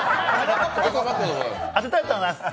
当てたいと思います。